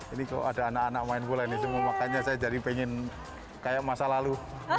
ini kok ada anak anak main bola ini semua makanya saya jadi pengen kayak masa lalu